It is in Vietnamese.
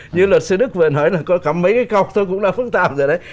như luật sư đức vừa nói là có mấy cái cọc thôi cũng là phức tạp rồi đấy